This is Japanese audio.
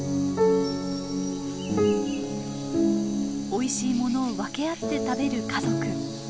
おいしい物を分け合って食べる家族。